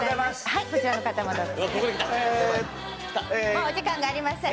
もうお時間がありません。